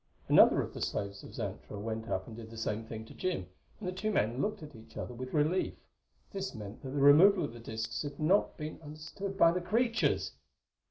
Another of the slaves of Xantra went up and did the same to Jim, and the two men looked at each other with relief. This meant that the removal of the disks had not been understood by the creatures!